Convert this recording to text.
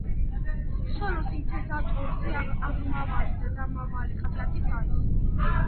სოლო სინთეზატორზე აღმავალი და დამავალი ხასიათის არის.